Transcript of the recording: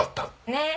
ねえ。